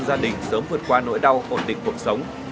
gia đình sớm vượt qua nỗi đau ổn định cuộc sống